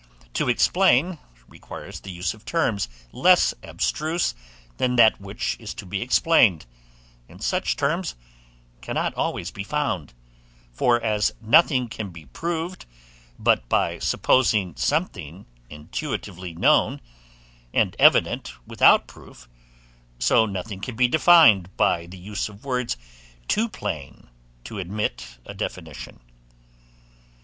To explain, requires the use of terms less abstruse than that which is to be explained, and such terms cannot always be found; for as nothing can be proved but by supposing something intuitively known, and evident without proof, so nothing can be defined but by the use of words too plain to admit a definition.